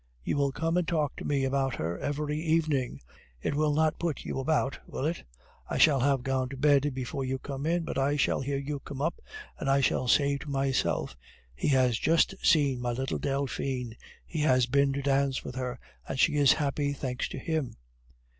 You will come and talk to me about her every evening. It will not put you about, will it? I shall have gone to bed before you come in, but I shall hear you come up, and I shall say to myself, 'He has just seen my little Delphine. He has been to a dance with her, and she is happy, thanks to him.